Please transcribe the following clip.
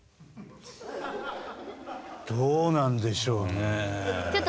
どうなんでしょうねえ。